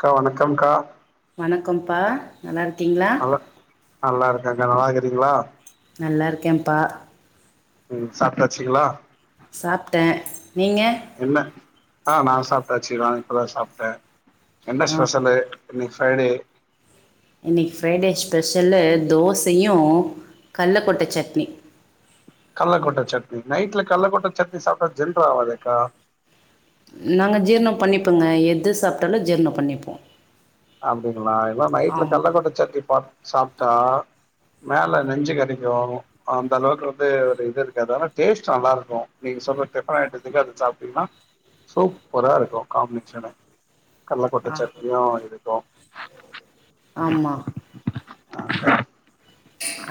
கா வணக்கம்கா கம் பா நல்லா இருக் கீங்களா நல்லா நல்லா இருக்காங்க நல்லா இருக்றீங்களா நல்லா இருக்கேன்ப்பா உம் சாப்பிட்டாச்சுங்களா சாப்டேன் நீங்க ஆஹ் நான் சாப்டாச்சு நான் இப்பதான் சாப்டேன் என்ன ஆ ஸ் ஃபெஷல் இன் [unintelligible] இன்னைக்கு ஃப்ரைடே ஸ்பெஷல்லு தோசையும் கல்லபோட்ட சட்னி கல்லக்கொட்டை சட்னி நைட்ல கல்லக்கொட்டை சட்னி சாப்பிட்டா ஜுரணம் ஆவாதுக்கா நாங்கள் ஜீர்ணம் பண்ணிப்போங்க எது சாப்பிட்டாலும் ஜீர்ணம் பண்ணிப்போம் அப்டிய நா எல்லா நைட்ல கல்லக்கொட்டை சட்னி பா சாப்பிட்டா மேல நெஞ்சு கரிக்கும் அந்த அளவுக்கு வந்து ஒரு இது இருக்கு ஆனா டேஸ்ட் நல்லா இருக்கும் நீங்க சொல்லுறது டிஃபரெண்ட் ஆயட்டுதுக்கு அது சாப்பிட்டீங்கன்னா சூப்பரா இருக்கும் காம்பினேஷன கல்லக்ககொட்டை ஆ சட்னியும் இதுக்கு [unintelligible] ஆமா [unintelligible]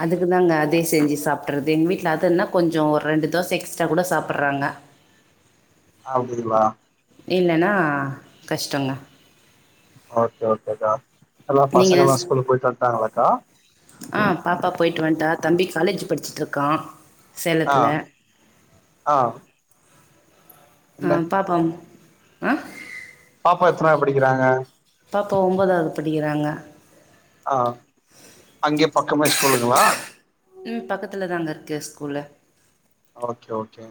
அதுக்கு தாங்க அதே செஞ்சு சாப்பிடறது எங்க வீட்ல அது என்னா கொஞ்சம் ஒரு ரெண்டு தோசை எக்ஸ்ட்ரா கூட சாப்பிடறாங்க ஆ [unintelligible] இல்லைன்னா கஷ்டங்க ஓகே ஓகே அக்கா எல்லா பசங்க எல்லா ஸ்கூல்லு போயிட்டு வந்துடாங்களக்கா ஆஹ் பாப்பா போயிட்டு வன்டா தம்பி காலேஜ் படிச்சிட்டு இருக்கான் ஆஹ் ஆஹ் ஆஹ் பாப்பாவும் ஆஹ பாப்பா எத்தனாவது படிக்கிறாங்க பாப்பா ஒன்பதாவது படிக்கிறாங்க ஆஹ் அங்கே பக்கமே ஸ்கூலுங்களா உம் பக்கத்துல தாங்க இருக்கு ஸ்கூல்லு ஓகே ஓகே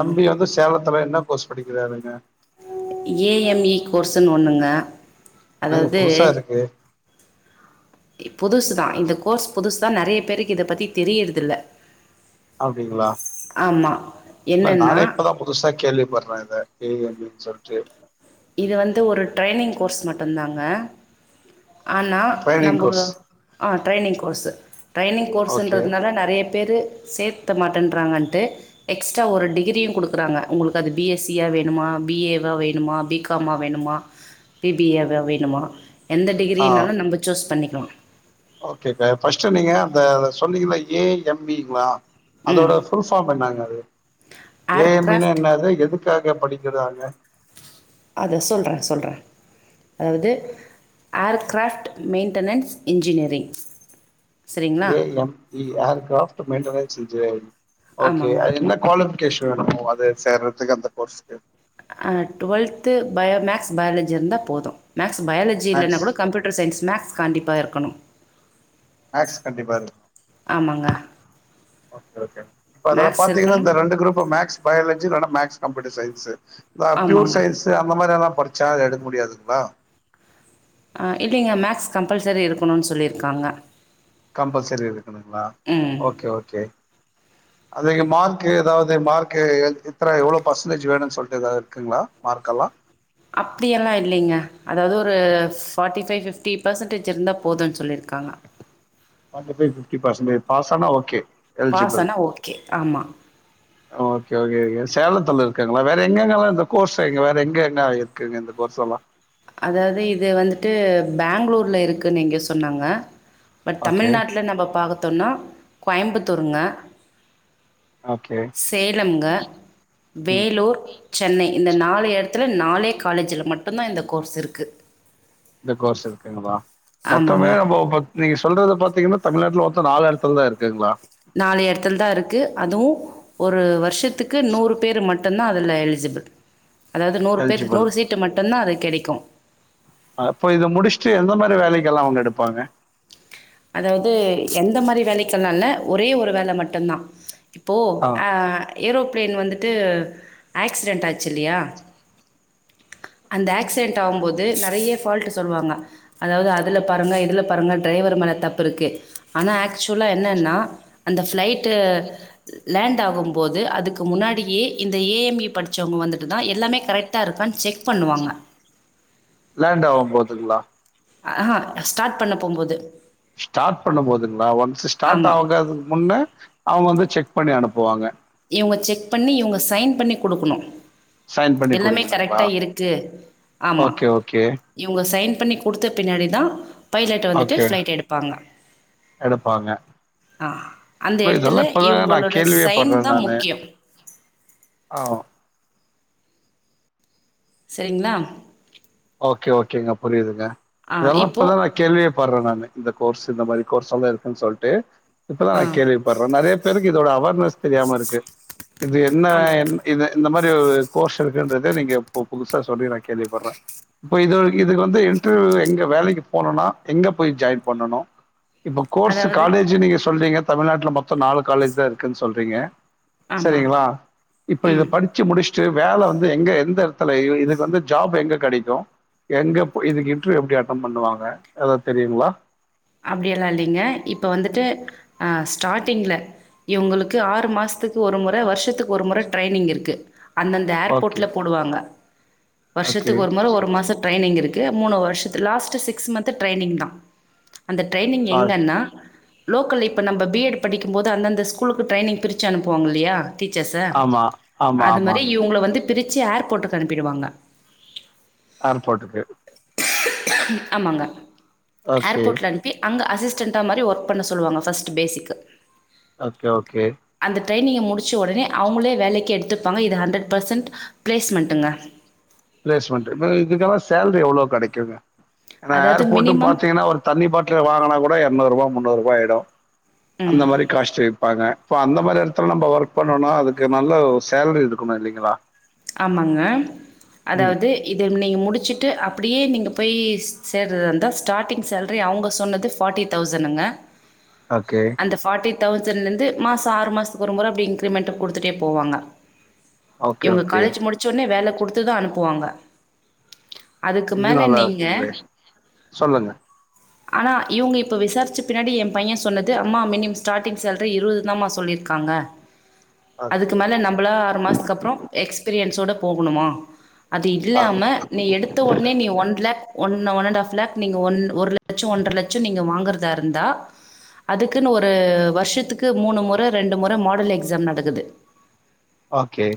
தம்பி வந்து சேலத்துல என்ன கோர்ஸ் படிக்கிறாருங்க ஏ எம் இ கோர்ஸ்ன்னு ஒண்ணுங்க என்னங்க புதுசா இருக்கு புதுசுதான் இந்த கோர்ஸ் புதுசு தான் நெறைய பேருக்கு இத பத்தி தெரியறது இல்ல அப்டிங்களா இல்ல என்னன்னா நானே இப்பதான் புதுசா கேள்விப்படுறேன் ஏ எம் இ சொல்லிட்டு இது வந்து ஒரு ட்ரைனிங் கோர்ஸ் மட்டுதாங்க ஆனா ட்ரைனிங் நம்ம course training course training okay கோர்ஸ்ன்றதுனால நெறைய பேரு சேர்த்த மாட்டோங்க எக்ஸ்ட் ஒரு டிகிரியும் குடுக்குறாங்க உங்களுக்கு அது பி எஸ் சி வேணுமா பி ஏ வ வேணுமா அப்டினு பி க் கமா வேணுமா பி பி ஏ வேணுமா எந்த டிகிரினாலும் நம்ம சூஸ் பண்ணி ஆ ஓகேங்கா ஃபர்ஸ்ட் நீங்க அந்த சொன்னீங்கள ஏ எம் இ ங்களா ம் அதோட ஃபுல் பார்ம் என்னங்க அது ஏ எம் இ னா ஏர்க்ராஃப்ட் என்னது எதுக் காக படிக்கிறாங்க அதான் சொல்றேன் சொல்றேன் அதாவது ஏர்கிராப்ட் மெயின்டனன்ஸ் இன்ஜினியரிங் சரிங்களா A M E R craft மெயின்டன ஸிஜே ஓகே ஆமாங்க அது என்ன க்வாலிஃப கேஷ் வேணு அது சேர்ரதுக்கு அந்த கோர்ஸ் சே அ ட்வெல்த்து பயோ மேக்ஸ் பயாலஜி இருந்தா போதும் மேக்ஸ் பயாலஜி இல்லன்னா மேக்ஸ் கூட கம்யூட்டர் சயின்ஸ் மேக்ஸ் கண்டிப்பா இருக்கணு மேக்ஸ் கண்டிப்பா இருக்கனு ஆமாங்க ஓகே ஓகே இப்பதுல மேக்ஸ் பாத்தீங்கனா இருக்கணும் இந்த ரெண்டு குரூப் மேக்ஸ் பயாலஜி இல்லனா மேக் ஸ் கம்ப்யூட்டர் சைன்ஸு அ ப்யூர் ஆமாங்க சயின்ஸு அந்த மாரியல்லா படுச்சா அது எடுக்க முடியாதுங்ளா அ இல்லைங்க மேக்ஸ் கம்பல்சரி இருக்கணுன் சொல்லியிருக்காங்க கம்பல்சரி இருக்குனுங்ளா ம் ஓகே ஓகே அதிக மார்க்கு எதாவ்து மார்க்கு இத்தன எவ்வளோ பர்சன்டேஜ் வேணுன் சொல்ட்டு எதாவ்து இருக்குங்ளா மார்க்கெல்லா அப்டியெல்லா இல்லைங்க அதாவ்து ஒரு ஃபார்ட்டி ஃபைவ் ஃபிஃப்டி பர்சன்டேஜ் இருந்தா போதுன் சொல்லிருக் காங்க forty five fifty percentage pass ஆனா ஓகே பாஸ் எல்ஜிபிள் ஆனால் ஓகே ஆமாம் ஒகே ஒகே சேலத்துல க்குங்களா வேற எங்க எங்கல்லா இந்த கோர்ஸ் அங்க வேற எங்க எங்க இருக்குங்க இந்த கோர்ஸ் எல்லா அதாவ்து இது வந்துட்டு பெங்களூர்ல இருக்குன்னு இங்க சொன்னாங்க பட் ஓகே, தமிழ்நாட்டுல நம்ம பாத்தோன்னா கோயம்புத்தூருங்க ஓகே. சேலம்ங்க ம். வேலூர் சென்னை இந்த நாலு எடத்துல நாலே காலேஜில மட்டுந்தா இந்த கோர்ஸ் இருக்கு இந்த கோர்ஸ் இருக்குங்களா ஆமாங்க மொத்தமே நாம பத் நீங்க சொல்றத பாத்தீங்கனா தமிழ்நாட்டுல மொத் தொ நாலு எடத்துல தா இருக்குங்ளா நாலு எடத்துல தா இருக்கு அதுவு ஒரு வருஷத் துக்கு நூறு பேர் மட்டுந்தா அ துல எலிஜிபிள் அதாவ்து நூறு பேர் எலிஜிபிள். நூறு சீட்டு மட்டுந்தா அது கெடை க்கு அப்போ இத முடுச்சுட்டு எந்த மாரி வேலைக்கெல்லா அவுங்க எடுப்பாங்க அதாவ்து எந்த மாரி வேலைக்கெல்லால்ல ஒரே ஒரு வேல ‌மட்டுந்தா இப்போ ஆ ஏரோப் ப்ளேன் வந்துட்டு ஆக்சிடென்ட் ஆச்சுல்லயா அந்த ஆக்சிடென்ட் ஆவும்போது நெறைய ஃபால்டு சொல்வாங்க அதாவ்து அதுல பாருங்க இதுல பாருங்க ட்ரைவர் மேல தப்புருக்கு ஆனா ஆக்சுவலா என்னன்னா அந்த ஃப்ளைட்டு லேண்ட் ஆகும்போது அதுக்கு முன்னாடியே இந்த ஏ எம் இ படிச்சவங்க வந்துட்டு தா எல்லாமே கரெக்டா இருக்கான் செக் பண்ணுவாங்க லேண்ட் ஆகும் போதுங்கலா ஆஹ் ஸ்டார்ட் பண்ண போகும்போது ஸ்டார்ட் பண்ண போதுங்களா ஒன்ஸ் ஸ்டார்ட் ஆமா. ஆகாதுக்கு முன்னே அவுங்க வந்து செக் பண்ணி அனுப்ப போவாங்க இவுங்க செக் பண்ணி இவுங்க சைன் பண்ணி குடுக்கணும் சைன் பண்ணி எல்லாமே குடுக்கணுங்களா? கரெக்ட்டா இருக்கு ஆமா ஓகே, ஓகே. இவுங்க சயின்ஸ் பண்ணி கொடுத்த பின்னாடி தான் பைலட் வந்துட்டு ஓகே. பிளைட் எடுப்பாங்க எடுப்பாங்க. அந்த இல்ல இடத்துல இதெல்லாம் இப்ப தாங்க நான் இவுங்களோட கேள்வியே சைன் தா படுறேன் நானு முக்கியோ ஆஹ் சரிங்களா ஓகே ஓகேங்க புரியுதுங்க ஆ இதெல்லாம் இப்போ இப்பதான் நான் கேள்வியே பாடுறேன் நானு இந்த கோர்ஸ் இந்த மாதிரி கோர்ஸ் எல்லாம் இருக்குன்னு சொல்ட்டு இப்பதான் ஆ நான் கேள்விப்படுறேன் நெறைய பேருக்கு இது ஒருஅவேர்னஸ் தெரியாம இருக்கு இது என்ன ஆமா என் இது இந்த மாதிரி கோர்ஸ் இருக்குன்றதே நீங்க புதுசா சொல்லி நான் கேள்விப்படுறேன் இப்ப இது இதுக்கு வந்து இன்டர்வியூ எங்க வேலைக்கு போகனும்னா எங்க போய் ஜாயின் பண்ணனும் இப்போ கோர்ஸ் அதாவது காலேஜ்ஜுனு நீங்க சொல்றீங்க தமிழ்நாட்டுல மொத்தம் நாலு காலேஜ் தான் இருக்குன்னு சொல்றீங்க ஆமா சரிங்களா இப்ப இதை ம் படிச்சு முடிச்சு ட்டு வேலை வந்து எங்க எந்த இடத்துல இதுக்கு வந்து ஜாப் எங்க கிடைக்கும் எங்க இதுக்கு இன்டர்வியூ எப்படி அட்டன் பண்ணுவாங்க ஏதாவது தெரியுங்களா அப்டி எல்லாம் இல்லைங்க இப்ப வந்துட்டு ஆஹ் ஸ்டார்டிங்கில இவுங்களுக்கு ஆறு மாசத்துக்கு ஒரு முறை வருஷத்துக்கு ஒரு முறை ட்ரைனிங் இருக்கு அந்தந்த ஓகே, ஏர்போர்ட்டில் போடுவாங்க ஓகே. வருஷத்துக்கு ஒரு முறை ஒரு மாசம் ட்ரெயினிங் இருக்கு மூணு வருஷத் லாஸ்ட்டு சிக்ஸ் மந்த்து ட்ரெயினிங் தான் அந்த ட்ரெயினிங் லாஸ்ட் எங்கன்னா லோக்கல் இப்போ நம்ம பி ஏட் படிக்கும்போது அந்த ஸ்கூலுக்கு ட்ரைனிங் பிரிச்சு அனுப்புவாங்க இல்லையா டீச்சர்ஸ்ஸு ஆமா, ஆமா, அது மாதிரி ஆமாங்க. இவுங்கள வந்து திருச்சி ஏர்போர்ட்டுக்கு அனுப்பிடுவாங்க ஏர் போட்டுக்கு ஆமாங்கா ஓகே அங்கே அசிஸ்டன்ண்டாக மாதிரி ஒர்க் பண்ண சொல்லுவாங்க ஃபஸ்ட் பேஸிகிக்கு ஓகே ஓகே ட்ரையனிங்க முடிச்ச உடனே அவங்களே வேலைக்கு எடுத்துப்பாங்க இது ஹண்ட்ரட் பர்சன்ட் ப்ளேஸ்மெண்ட்டுங்க பிளேஸ்மெண்ட் இதுக்கெல்லாம் சேலரி எவ்வளோ கிடைக்குங்க என்ன அதாவது ஏர்போர்ட் மினிமம் பாத்தீங்கா ஒரு தண்ணி பாட்டில வாங்கினா கூட இருநூறு ரூபா முன்னூறு ரூபா போயுடும் அந்த ம் மாரி காஸ்ட்டு வைப்பாங்க இப்போ அந்த மாரி இடத்துல நம்ம ஒர்க் பண்ணோனா அதுக்கு நல்ல சேலரி இருக்கணும் இல்லைங்களா ஆமாங்க ம். அதாவது இது நீங்கள் முடிச்சுட்டு அப் அப்டியே நீங்கள் போய் சேர்தா இருந்தால் ஸ்டார்ட்டிங் சேலரி அவங்க சொன்னது ஃபார்ட்டி தௌசண்டுங்க ஓகே, அந்த ஃபார்ட்டி தௌசண்ல இருந்து மாசம் ஆறு மாசத்துக்கு ஒரு முறை இன்கிரிமெண்ட் கொடுத்துட்டே போவாங்க ஓகே இவங்க ஓகே காலேஜ் முடிச்சவுடனே வேல குடுத்துதான் அனுப்புவாங்க அதுக்கு இது மேல நல்லா நீங்க இருக்குங்களே சொல்லுங்க ஆனால் இவங்க இப்போ விசாரிச்ச பின்னாடி என் பையன் சொன்னது அம்மா மினிமம் ஸ்டார்ட்டிங் சேலரி இருபது தாம்மா சொல்லியிருக்காங்க அதுக்கு ஓகே மேல நம்மளா ஆறு மாசத்துக்கு அப்புறம் எஸ்பீரியன்ஸோடு போகணுமா அது ஆ இல்லாமல் நீ எடுத்த உடனே நீ one lakh one one and half lakh நீங்க ஒரு ல லட்சம் ஒன்றறை லட்ச நீங்க வாங்குறது இருந்தா அதுக்குன்னு ஒரு வருஷத்துக்கு மூணு முறை ரெண்டு முறை மாடல் எக்ஸாம் நடக்குது ஓகே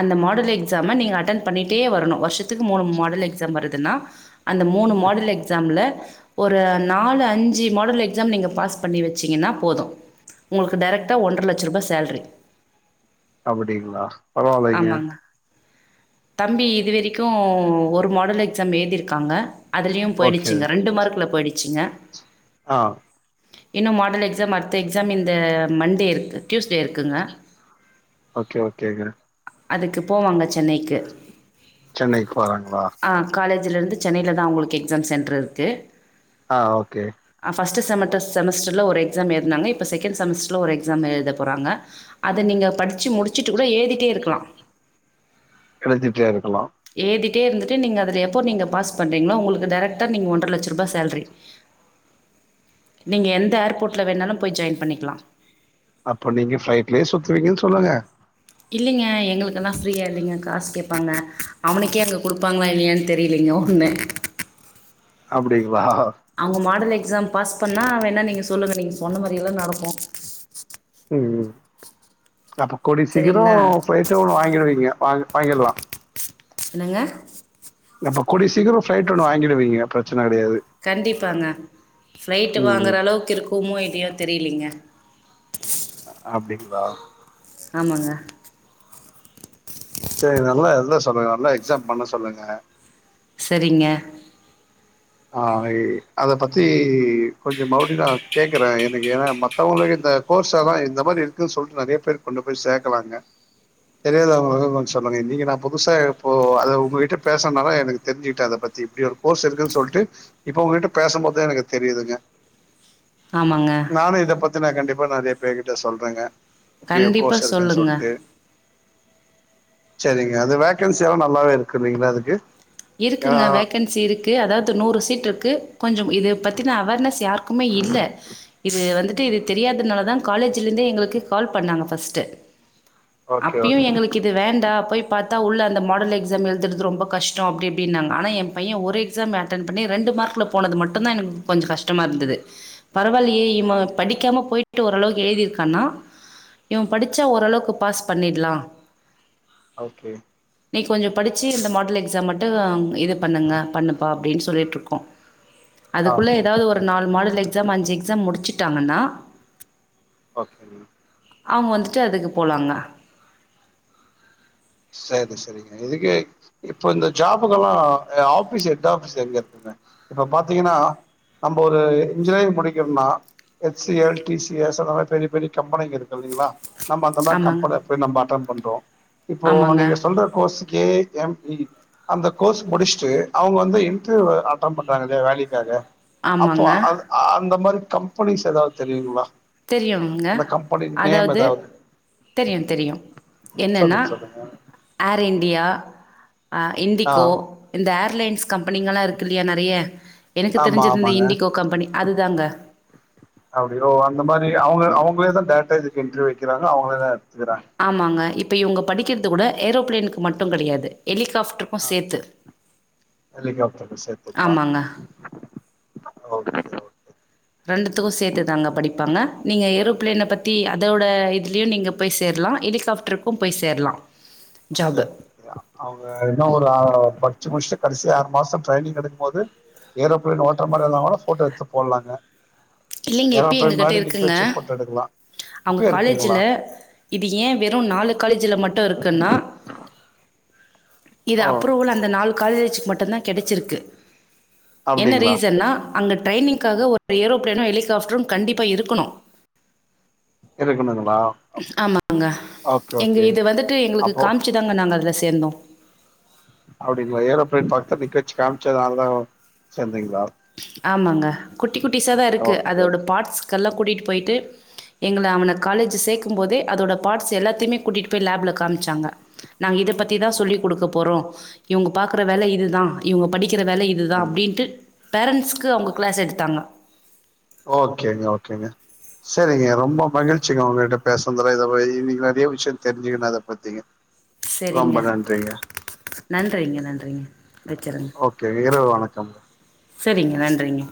அந்த மாடல் எக்ஸாம நீங்க அட்டன் பண்ணிட்டே வரணும் வருஷத்துக்கு மூணு மாடல் எக்ஸாம் வருதுன்னா அந்த மூணு மாடல் எக்ஸாமில்ல ஒரு நாலு அஞ்சு மாடல் எக்ஸாம் நீங்க பாஸ் பண்ணி வச்சீங்கன்னா போதும் உங்களுக்கு டேரக்டா ஒன்றரை லட்ச ரூபாய் சேலரி அப்டிங்களா பரவாயில்லைங்கே தம்பி இது வரைக்கும் ஒரு மாடல் எக்ஸாம் ஏழுதி இருக்காங்க அதுலயும் போயிடுச்சுங்க ரெண்டு மார்கல போயிடு சிங்கா ஆஹ இன்னும் மாடல் எக்ஸாம் அடுத்த எக்ஸாம் இந்த மண்டே இருக்கு டியூஸ்டே இருக்குங்க ஓகே ஓகேங்க அதுக்கு போவாங்க சென்னைக்கு சென்னை போறாங்களா இருந்து சென்னையில தான் உங்களுக்கு எக்ஸாம் சென்ட்ர் இருக்கு ஆஹ் ஓகே பஸ்ட் செமஸ்டர் ஒரு எக்ஜாம் எழுதுனாங்க இப்ப செகேன்டு சோமஸ்டர்ல ஒரு எக்ஸாம் எழுத போறாங்க அதை நீங்க படிச்சு முடிச்சூட்டு கூட ஏதி ட்ட இருக்கலாம் சிட்டியா இருக்கலாம் ஏழுதிட்டே இருந்துட்டு நீங்க எப்போ நீங்க பாஸ் பண்றீங்களோ உங்களுக்கு டேரக்டா நீங்க ஒன்ற லட்ச ரூபாய் சேல்ரி நீங்க எந்த ஏர்போட்ல வேணாலும் போய் ஜாய்ன் பண்ணிக்கலாம் அப்ப நீங்க பிளைட்லயே சுத்துவீங்கன்னு சொல்லுங்க இல்லைங்க எங்களுக்கெல்லாம் ஃப்ரீயா இல்லைங்க காசு கேப்பாங்க அவனுக்கே அங்க குடுப்பாங்களா இல்லையான்னு தெரியலீங்க ஒண்ணு அப்டிங் அவுங்க மாடல் எக் எக்ஸாம் பாஸ் பண்ணா வேணா நீங்க சொல்லுங்க நீங்க சொன்ன மாரி எல்லாம் நடக்கும் உம் அப்ப கூடிய சீக்கிரம் சரிங்களா பிளைட்டே ஒண்ணு வாங்கிடுவீங்க வாங்க வாங்கிலாம் என்னங்க அப்ப கூடிய சீக்ரம் பிளைட் ஒன்னு வாங்கிடுவீங்க பிரச் கண்டிப்பாங்க ஃப்ளைட்டு் வாங்குற ம் அளவுக்கு இருக்குமோ இல்லையோ தெரியலைங்க அப்டிங்களா ஆமாங்க சரி நல்லா எழுத சொல்லுங்க நல்லா எக்ஸாம் பண்ண சொல்லுங்க சரிங்க ஆஹ அதை பத்தி கொஞ்சம் மறுபடியும் நான் கேக்குறேன் எனக்கு ஏன்னா மத்தவங்களுக்கு இந்த கோர்ஸ் எல்லாம் இந்த மாரி இருக்குன்னு சொல்லிட்டு நறைய பேர் கொண்டு போய் சேர்க்கலாங்க தெரியாதவங்களுக்கு கொஞ்சம் சொல்லுங்க இன்னைங்க நான் புதுசா இப்போ அதை உங்ககிட்ட பேசுனதுனால எனக்கு தெரிஞ்சுக்கிட்டேன் அதை பத்தி இப்படி ஒரு கோர்ஸ் இருக்குன்னு சொல்லி இப்ப உங்ககிட்ட பேசும்போது எனக்கு தெரியுதுங்க ஆமாங்க நான் கண்டிப்பா நறைய பேர் கிட்ட சொல்றேங்க இப்டி ஒரு கண்டிப்பா கோர்ஸ் இருக்குன்னு சொல்லுங்க சொல்ட்டு சரிங்க அது வேக்கன்சி எல்லாம் நல்லாவே இருக்குங்களா அதுக்கு ஏன்னா இருக்குங்க வேக்கன்சி இருக்கு அதாவது நூறு சீட்ருக்கு கொஞ்சம் இது பத்தினா அவேர்னஸ் யாருக்குமே இல்லை இது வந்துட்டு இது தெரியாதனால தான் காலேஜலேந்தே எங்களுக்கு கால் பண்ணாங்க ஃபர்ஸ்ட்டு அப்பயும் எங்களுக்கு இது வேண்டா போய் பாத்தா உள்ள அந்த மாடல் எக்ஸாம் எழுதுறது ரொம்ப கஷ் டம் அப்படி அப்படின்னாங்க ஆனா என் பையன் ஒரு எக்ஸாம் பண்ணி ரெண்டு மார்க்ல போனது மட்டும் தான் எனக்கு கொஞ்சம் கஷ்டமா இருந்தது பரவாயில்லையே இவன் படிக்காம போயிட்டு ஓரளவுக்கு எழுதியிருக்கானா இவன் படிச்சா ஓரளவுக்கு பாஸ் பண்ணிலாம் ஓகே நீ கொஞ்சம் படிச்சு இந்த மாடல் ச்சா மட்டும் இது பண்ணுங்க பண்ணுப்பா அப்படின்னு சொல்லிட்டு இருக்கோம் ஆ அதுக்குள்ள ஏதாவது ஒரு நாலு மாடல் எக்ஸாம் அஞ்சு எக்ஸாம் முடிச்சிட்டாங்கன்னா ஓகே நீ அவங்க வந்துட்டு அதுக்கு போலாங்க சரி சரிங்க இதுக்கு இப்ப இந்த ஜாப்புக்கெல்லாம் ஆபீஸ் ஹெட் ஆபீஸ் எங்க இருக்குங்க இப்ப பாத்தீங்கன்னா நம்ம ஒரு இன்ஜினியரிங் முடிக்கணும்ம்னா H C L T C S அந்த மாதிரி பெரிய பெரிய கம்பெனிங்க இருக்கு இல்லைங்களா நம்ம அந்த மாதிரி ஆமாங்க கம்பெனில போய் நம்ம அட்டன் பண்ணறோம் இப்போ ஆமாங்க நீங்க சொல்ற கோர்ஸ் ஏ எம் இ அந்த கோர்ஸ் முடிச்சுட்டு அவங்க வந்து இன்டர்வியூ அட்டெண்ட் பண்றாங்க இல்லையா வேலைக்காக அப்போ அ ஆமாங்க அந்த மாதிரி கம்பெனிஸ் ஏதாவது தெரியுங்களா தெரியுங்க அந்த கம்பெனி நேம் அதாவது ஏதாவது தெரியும் தெரியும் என்னன்னா சொல்லுங்க சொல்லுங்க ஏர் இந்தியா [inaudible] ஹ ஆ இண்டிகோ இந்த ஏர் ர்லைன்ஸ் கம்பெனிங்கலாம் இருக்கு இல்லையா நிறைய எனக்கு ஆமா தெரிஞ்சிருந்த ஆமாங்க இண்டிகோ கம்பெனி அதுதாங்க இந்த மாதிரி அவுங்க அவுங்களே தான் டேரக்டா இதுக்கு இன்டர்வியூ வைக்கிறாங்க அவுங்களே தான் எடுத்துக்கிறாங்க ஆமாங்க இப்ப இவுங்க படிக்கிறது கூட ஏரோ பிளேனுக்கு மட்டும் கிடையாது ஆ எலிகாப்டர்கும் சேத்துங்களா ஆமாங்க ஓகே ஓ ரெண்டுத்துக்கும் சேர்த்துதாங்க படிப்பாங்க நீங்க ஏரோப்பிளேன பத் தி அதோட இதுலயும் நீங்க போய் சேரலாம் ஹெலிகாப்டருக்கும் போய் சேரலாம் அப்படிய அவங்க இன்ன ஒரு ச்சு முடிச்ட்டு கடைசியா ஆறு மாசம் டிரைனிங் எடுக்கும் போது ஏரோ பிளைன் ஓட்டுற மாதிரி இருந்தாங்கனா போட்டோ எடுத்து போடலாங்க இல்லைங்க இப்பயே ஏரோப்ளேன் எங்க கிட்ட முன்னாடி நிக்க இருக்குங்க வச்சு போட்டோ எடுக்கலாம் அவங்க இப்பயே இருக்குங்களா காலேஜ்ல இது ஏன் வெறும் நாலு காலேஜல மட்டும் இருக்குன்னா இது ஓ அப்ரூவல் அந்த நாலு காலேஜுக்கு மட் டும் தான் கிடைச்சிருக்கு என்ன அப்டிங்களா ரீசன்னா அங்க டிரைனிங்காக ஒரு ஏரோ ப்ளேனும் ஹெலிகாப்டரும் கண்டிப்பா இருக்கணும் இருக்கணுங்களா ஆமாங்க ஓகே எங்க ஓகே இது வந்துட்டு எங்களுக்கு அப்போ காமிச்சுதாங்க நாங்க அதுல சேர்ந்தோம் அப்டிங்ளா ஏரோப்ளேன் பக்த்துல நிக்கவச்சி காம்ச்சதுனாலதான் சேர்ந்தீங்களா ஆமாங்க குட்டி குட்டிஸாதா இருக்கு ஓகே அதோட ஓகே பார்ட்ஸ் கல்லா கூட்டிட்டு போய்ட்டு எங்கள அவன காலேஜ் சேக்கும் போதே அதோட பார்ட்ஸ் எல்லாத்தைமே கூட்டிட்டு போய் லேப்ல காமிச்சாங்க நாங்க இத பத்திதா சொல்லி குடுக்க போறோ இவுங்க பாக்கற வேல இதுதா இவுங்க படி கிற வேல இதுதா ம் அப்டின்ட்டு பேரண்ட்ஸ்க்கு அவுங்க க்ளாஸ் எடுத்தாங்க ஓகேங்க ஓகேங்க செரிங்க ரொம்ப மகிழ்ச்சிங்க உங்கட்ட பேசனதுல இத இன்னை நெறைய விஷ்யம் தெரிஞ்சுகன அத பத்தீங்க செரிங்க நன்றிங்க நன்றிங்க வச்சுருங்க கம் சரிங்க நன்றிங்க